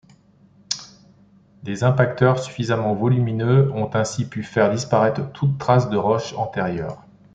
Des impacteurs suffisamment volumineux ont ainsi pu faire disparaitre toute trace de roches antérieures.